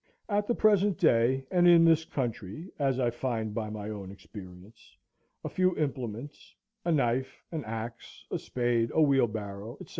At the present day, and in this country, as I find by my own experience, a few implements, a knife, an axe, a spade, a wheelbarrow, &c.